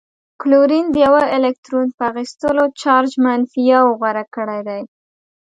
کلورین د یوه الکترون په اخیستلو چارج منفي یو غوره کړی دی.